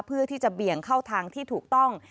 เพื่อที่จะเบี่ยงเข้าทางที่ถูกต้อง